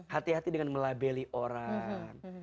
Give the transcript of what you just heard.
hati hati dengan melabeli orang